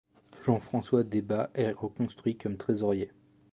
Jean-François Debat est reconduit comme trésorier.